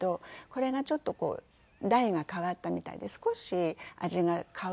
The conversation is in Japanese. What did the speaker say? これがちょっとこう代が替わったみたいで少し味が変わって。